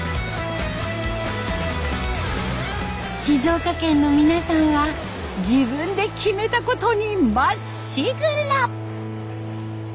静岡県の皆さんは自分で決めたことにまっしぐら！